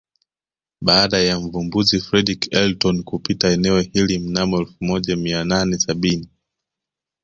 Baada ya Mvumbuzi Fredrick Elton kupita eneo hili mnamo elfu moja mia nane sabini